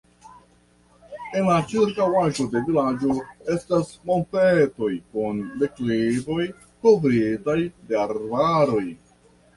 En la ĉirkaŭaĵo de vilaĝo estas montetoj kun deklivoj kovritaj de arbaroj.